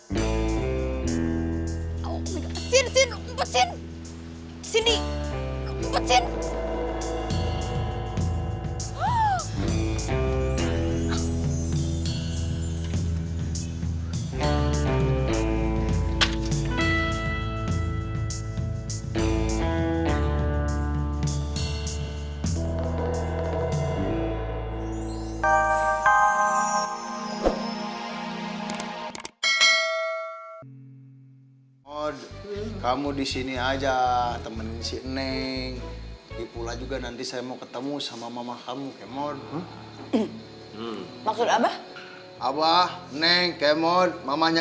sampai jumpa di video selanjutnya